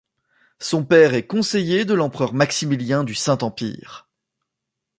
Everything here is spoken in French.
Son père est conseiller de l'empereur Maximilien du Saint-Empire.